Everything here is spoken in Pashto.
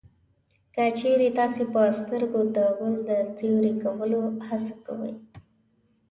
که چېرې تاسې په سترګو د بل د سوري کولو هڅه وکړئ